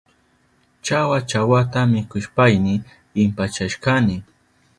Chawa chawata mikushpayni impachashkani.